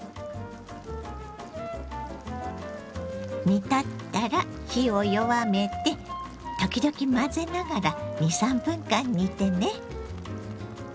煮立ったら火を弱めて時々混ぜながら２３分間煮てね。